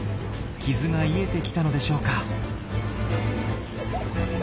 傷が癒えてきたのでしょうか。